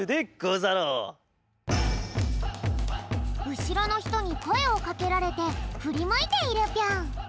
うしろのひとにこえをかけられてふりむいているぴょん。